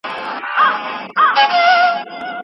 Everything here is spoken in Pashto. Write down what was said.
ورینداره